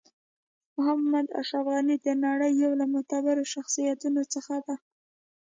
محمد اشرف غنی د نړۍ یو له معتبرو شخصیتونو څخه ده .